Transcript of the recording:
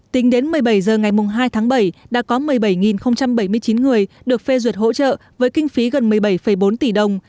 tính đến một mươi bảy h ngày hai tháng bảy đã có một mươi bảy bảy mươi chín người được phê duyệt hỗ trợ với kinh phí gần một mươi bảy bốn tỷ đồng